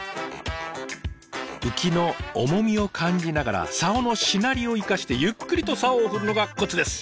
ウキの重みを感じながらサオのしなりを生かしてゆっくりとサオを振るのがコツです。